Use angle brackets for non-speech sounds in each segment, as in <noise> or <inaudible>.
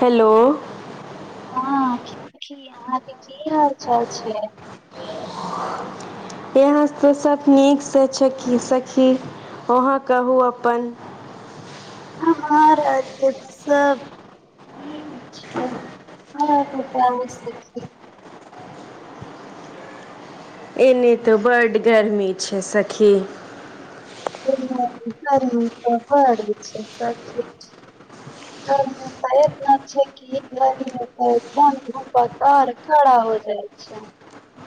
hello हँ की अहाँकेँ की हाल चाल छै यहाँ त सभ नीकसँ छथि सखी अहाँ कहू अपन र सब <unintelligible> एने तऽ बड्ड गर्मी छै सखी ग गरमी त बे छै सची गरमी त एना छै कि गरमी त एकदम रपर तर कड़ा हो जाइ छै <unintelligible>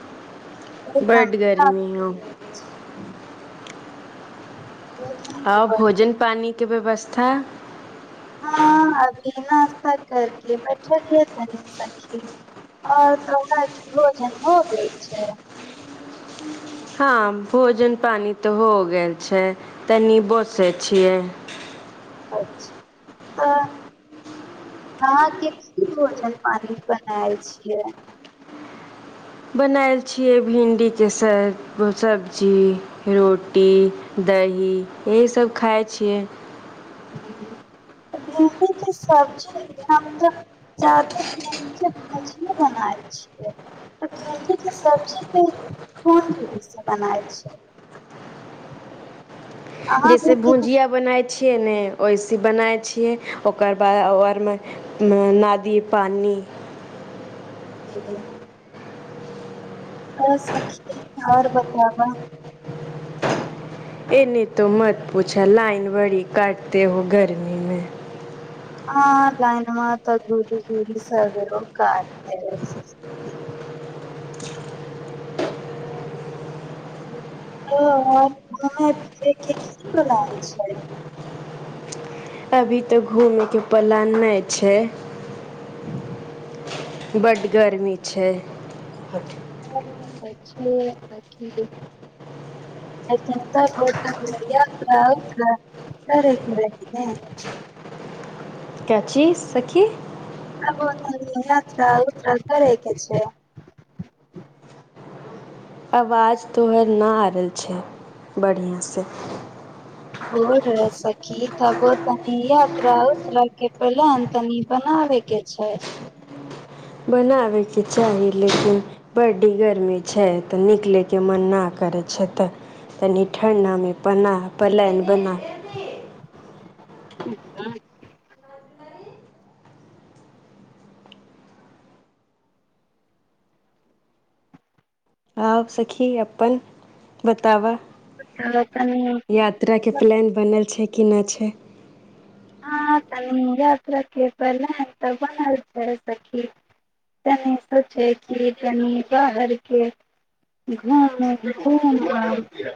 एकदम बड्ड गर्मी होउ आउ भोजन पानी केँ व्यवस्था हँ अभी नास्ता करके बैठलियै तनी सखी आओर तोरा आरकेँ भोजन हो गेल छै हँ भोजन पानी तऽ हो गेल छै तनी बैसे छियै अच्छ तऽ अहाँकेँ की भोजन पानी बनाएल छियै बनायल छियै भिंडीकेँ स सब्जी रोटी दही यहीसभ खाइ छियै भिंडी के सब्जी हम तऽ जादे भिंडी के मछी बनाय छियै त भिंडी के सब्जीे कोन दूरीसँ बनाइ छियै <unintelligible> अहाँ जैसे भिंडी के भुजिया बनाय छियै ने ओइसे बनाय छियै ओकर बाद आरमे नादियै पानि ठीक <inaudible> आओर सखी आओर बताब एने तऽ मत पूछा लाइन बड़ी काटते हो गर्मीमे हँ लाइनमा तऽ दूरी धूरी सगरो कटियै छै <unintelligible> ओ घ कीत लाग छै <unintelligible> अभी तऽ घूमयकेँ प्लान नहि छै बड्ड गर्मी छै कर <inaudible> कै चीज सखी पोधनी यात्रा उतर करैय के छै से <unintelligible> आवाज तऽ ओहिना आवैय छै बढ़ियांसँ ब रह सखी तबो तनी यात्रा उतरय के प्लान तनि बनाबेके छै <unintelligible> बनाबयके चाही लेकिन बड्डगर्मी छै तऽ निकलयकेँ मन नहि करै छै तऽ तनि ठण्डामे पना पलायन बना हँ <inaudible> आउ सखी अपन बतावा त तनी यात्राकेँ प्लैन बनल छै केनै छै हँ कनि यात्राके प्लान तऽ बनल छै सखी तनि सोचै छियै कनि बाहरके घुम घूम आबि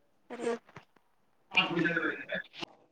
ह <unintelligible>